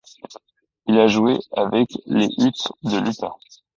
Il a joué avec les Utes de l'Utah.